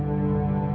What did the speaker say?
aku mau kemana